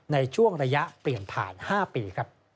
ในช่วงระยะเปลี่ยนผ่าน๕ปี